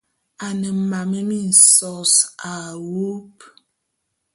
A ne mam minsōs a wub.